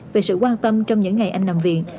về sự quan tâm trong những ngày anh nằm viện